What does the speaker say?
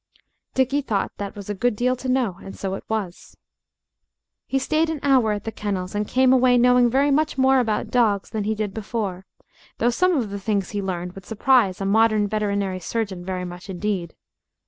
Dickie thought that was a good deal to know and so it was. He stayed an hour at the kennels and came away knowing very much more about dogs than he did before, though some of the things he learned would surprise a modern veterinary surgeon very much indeed.